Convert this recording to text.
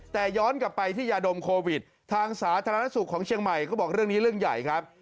แต่ย้อนกลับไปที่ยาดมโควิดทางสาธารณสุขของเชียงใหม่ก็บอกเรื่องนี้เรื่องใหญ่ครับ